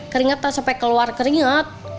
keringetan sampai keluar keringet